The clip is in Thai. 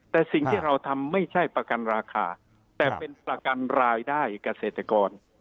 แต่สิ่งที่เราทำไม่ใช่ประกันราคาแต่เป็นประกันรายได้เกษตรกร